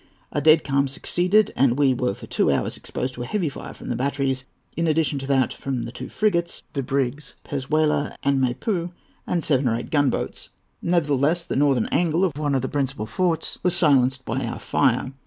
A dead calm succeeded, and we were for two hours exposed to a heavy fire from the batteries, in addition to that from the two frigates, the brigs Pezuela and Maypeu, and seven or eight gunboats. Nevertheless the northern angle of one of the principal forts was silenced by our fire.